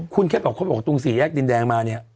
คุณแค่บอกเขาบอกตรงสี่แยกดินแดงมาเนี่ย